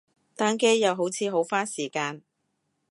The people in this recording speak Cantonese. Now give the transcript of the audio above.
單機，又好似好花時間